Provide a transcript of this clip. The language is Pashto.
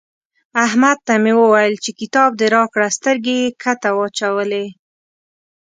احمد ته مې وويل چې کتاب دې راکړه؛ سترګې يې کښته واچولې.